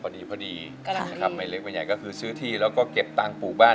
พอดีพอดีนะครับไม่เล็กไม่ใหญ่ก็คือซื้อที่แล้วก็เก็บตังค์ปลูกบ้าน